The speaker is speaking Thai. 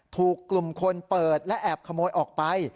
ถูกกลุ่มคนเปิดและแอบขโมยออกไป